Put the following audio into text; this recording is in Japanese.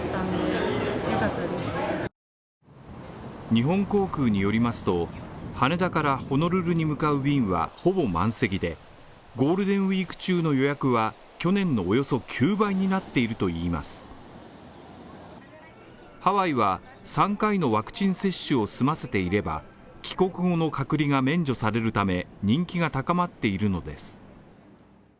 日本航空によりますと、羽田からホノルルに向かう便はほぼ満席で、ゴールデンウィーク中の予約は去年のおよそ９倍になっているといいますハワイは３回のワクチン接種を済ませていれば、帰国後の隔離が免除されるため、人気が高まっているのです。